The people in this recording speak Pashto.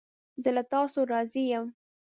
زه له تاسو راضی یم